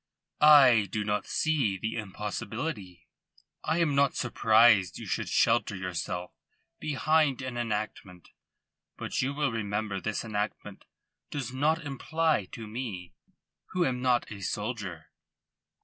"I do not see the impossibility. I am not surprised you should shelter yourself behind an enactment; but you will remember this enactment does not apply to me, who am not a soldier."